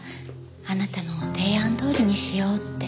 あなたの提案どおりにしようって。